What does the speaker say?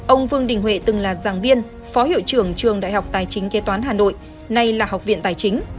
ông vương đình huệ từng là giảng viên phó hiệu trưởng trường đại học tài chính kế toán hà nội nay là học viện tài chính